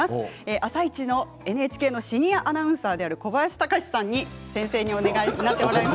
「あさイチ」のＮＨＫのシニアアナウンサーである小林孝司さんに先生になっていただきます。